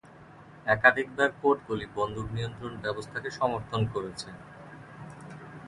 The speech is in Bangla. একাধিকবার কোটগুলি বন্দুক নিয়ন্ত্রণ ব্যবস্থাকে সমর্থন করেছে।